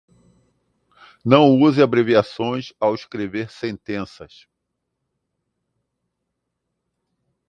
Não use abreviações ao escrever sentenças